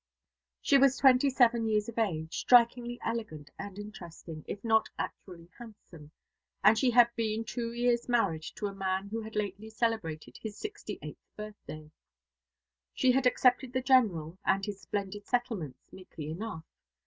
She was twenty seven years of age, strikingly elegant and interesting, if not actually handsome, and she had been two years married to a man who had lately celebrated his sixty eighth birthday. She had accepted the General, and his splendid settlements, meekly enough.